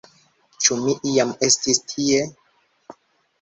Ĉu mi iam estis tie?